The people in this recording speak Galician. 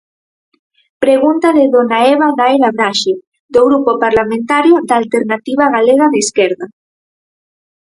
Pregunta de dona Eva Daira Braxe, do Grupo Parlamentario da Alternativa Galega de Esquerda.